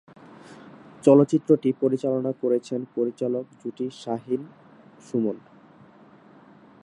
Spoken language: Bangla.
চলচ্চিত্রটি পরিচালনা করেছেন পরিচালক জুটি শাহীন-সুমন।